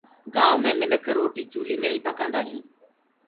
گآئونٚ مي مِنک روٽي چوليٚ مي ئي پڪآندآ هينٚ